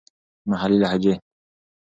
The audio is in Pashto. محلې لهجې.